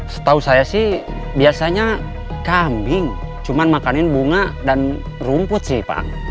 setahu saya sih biasanya kambing cuma makanin bunga dan rumput sih pak